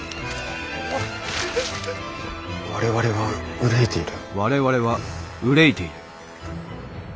「我々は憂いている」。